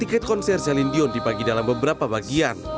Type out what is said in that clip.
tiket konser celine dion dibagi dalam beberapa bagian